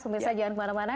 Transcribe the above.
pemirsa jangan kemana mana